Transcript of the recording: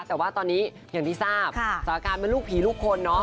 แต่ว่าตอนนี้อย่างที่ทราบสถานการณ์เป็นลูกผีลูกคนเนาะ